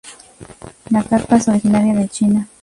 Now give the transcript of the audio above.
La carpa es originaria de China.